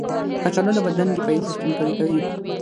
کچالو د بدن دفاعي سیستم قوي کوي.